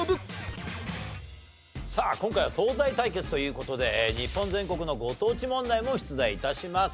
さあ今回は東西対決という事で日本全国のご当地問題も出題致します。